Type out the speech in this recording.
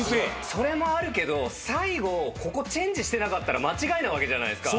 それもあるけど最後ここチェンジしてなかったら間違いなわけじゃないっすか。